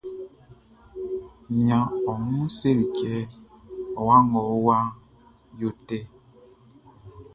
Nian ɔ mlu selikɛ, o wa nga wa yotɛ.